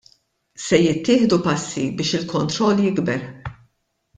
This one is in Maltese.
Se jittieħdu passi biex il-kontroll jikber.